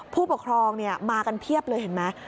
ผู้ปกครองมากันเพียบเลยเห็นไหม